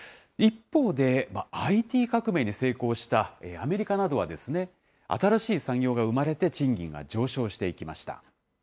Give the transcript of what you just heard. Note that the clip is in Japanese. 一方で、ＩＴ革命に成功したアメリカなどは、新しい産業が生まれて、賃金が上昇していきました。